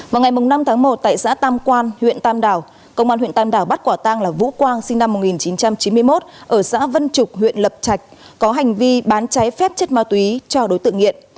vào ngày năm tháng một tại xã tam quan huyện tam đảo công an huyện tam đảo bắt quả tang là vũ quang sinh năm một nghìn chín trăm chín mươi một ở xã vân trục huyện lập trạch có hành vi bán cháy phép chất ma túy cho đối tượng nghiện